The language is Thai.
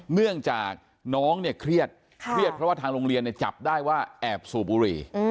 เนื่องจากน้องเนี่ยเครียดเครียดเพราะว่าทางโรงเรียนจับได้ว่าแอบสูบบุหรี่